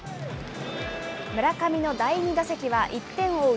村上の第２打席は１点を追う